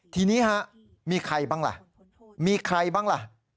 ทีนี้ฮะมีใครบ้างล่ะมีใครบ้างล่ะ